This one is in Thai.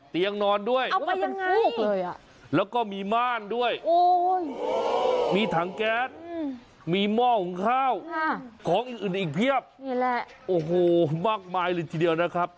เตียงนอนด้วยแล้วก็มีม่านด้วยมีถังแก๊สมีหม้อของข้าวของอื่นอีกเพียบโอ้โหมากมายเลยทีเดียวนะครับ